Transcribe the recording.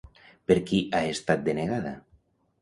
Per qui ha estat denegada?